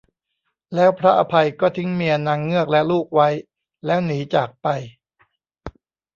แล้วพระอภัยก็ทิ้งเมียนางเงือกและลูกไว้ แล้วหนีจากไป